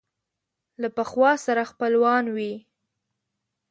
له پخوا سره خپلوان وي